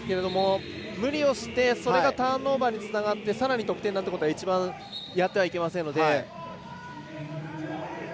無理をして、それがターンオーバーにつながってさらに得点なんてことは一番やってはいけません。